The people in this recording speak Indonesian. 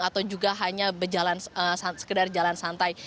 atau juga hanya berjalan sekedar jalan santai